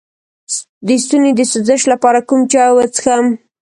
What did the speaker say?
د ستوني د سوزش لپاره کوم چای وڅښم؟